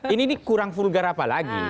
ini kurang vulgar apa lagi